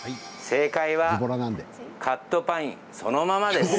正解はカットパインそのままです。